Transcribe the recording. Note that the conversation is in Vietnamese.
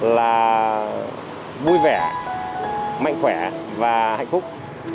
là vui vẻ mạnh khỏe và hạnh phúc